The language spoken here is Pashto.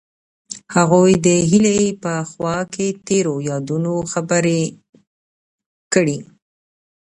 هغوی د هیلې په خوا کې تیرو یادونو خبرې کړې.